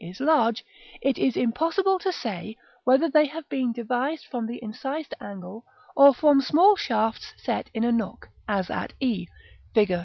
is large, it is impossible to say whether they have been devised from the incised angle, or from small shafts set in a nook, as at e, Fig.